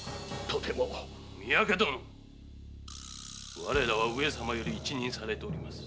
我らは上様より一任されております。